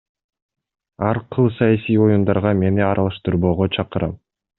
Ар кыл саясий оюндарга мени аралаштырбоого чакырам.